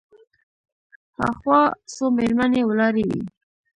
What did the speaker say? هاخوا څو مېرمنې ولاړې وې.